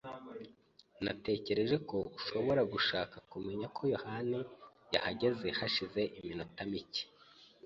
Natekereje ko ushobora gushaka kumenya ko yohani yahageze hashize iminota mike.